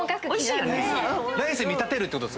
ライスに見立てるってこと。